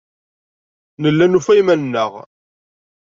Nella nufa iman-nneɣ.